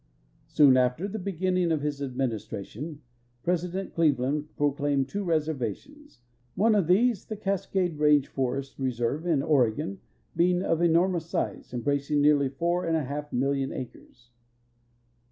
Soon after the beginning of his administration President Cleveland pro claimed two reservations, one of these, the Cascade Range Forest Reserve, in Oregon, being of enormous size, embracing nearly four and a half million acres.